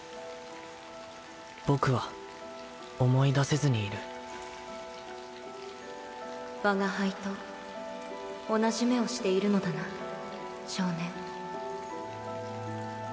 僕は思い出せずにいる我が輩と同じ目をしているのだな少年